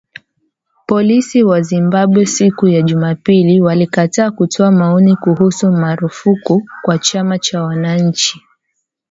Polisi wa Zimbabwe siku ya Jumapili walikataa kutoa maoni kuhusu marufuku kwa chama cha wananchi